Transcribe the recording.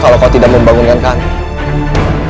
kalau kau tidak membangunkan kami